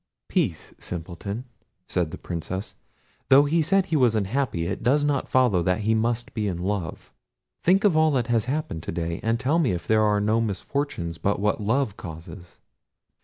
"Peace, simpleton!" said the Princess. "Though he said he was unhappy, it does not follow that he must be in love. Think of all that has happened to day, and tell me if there are no misfortunes but what love causes.